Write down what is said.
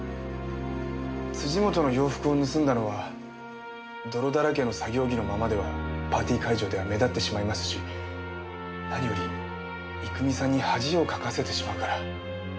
本の洋服を盗んだのは泥だらけの作業着のままではパーティー会場では目立ってしまいますし何より郁美さんに恥をかかせてしまうから。